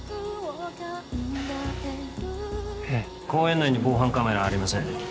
うん公園内に防犯カメラありません